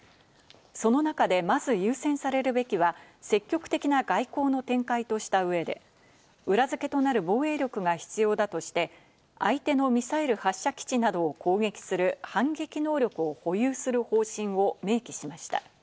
その中で、まず優先されるべきは積極的な外交の展開とした上で、裏付けとなる防衛力が必要だとして、相手のミサイル発射基地などを攻撃する反撃能力を保有する方針を明記しました。